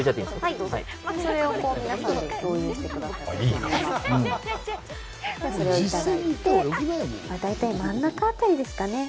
それをいただいてて、大体、真ん中あたりですかね。